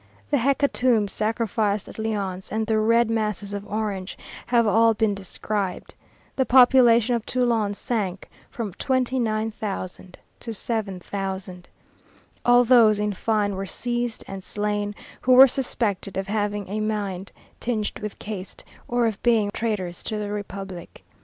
The hecatombs sacrificed at Lyons, and the "Red Masses" of Orange, have all been described. The population of Toulon sank from 29,000 to 7,000. All those, in fine, were seized and slain who were suspected of having a mind tinged with caste, or of being traitors to the Republic.